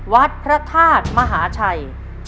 วัดพระธาตุมหาชัย